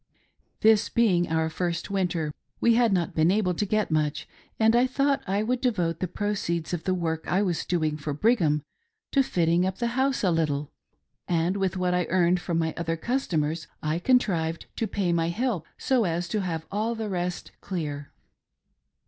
This being our first winter, we had not been able to get much, and I thought I would devote the proceeds of the work I was doing for Brigham to fitting up the house a little ; and, with what I earned from my other customers, I contrived to pay my help, so as to have all the rest clear.